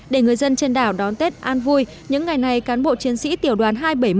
để người dân trên đảo đón tết an vui những ngày này cán bộ chiến sĩ tiểu đoàn hai trăm bảy mươi